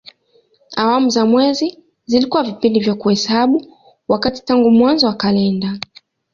Awamu za mwezi zilikuwa vipindi vya kuhesabu wakati tangu mwanzo wa kalenda.